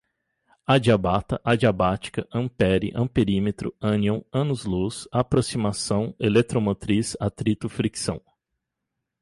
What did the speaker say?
adiabata, adiabática, ampère, amperímetro, ânion, ano-luz, aproximação, eletromotriz, atrito, fricção